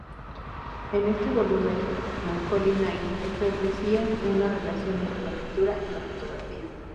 En este volumen, Moholy-Nagy establecía una relación entre la pintura y la fotografía.